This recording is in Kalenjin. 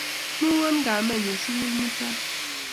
Imuwon kamennyu sukul mutai